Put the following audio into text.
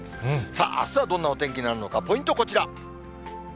さあ、あすはどんなお天気になるのか、ポイントはこちら。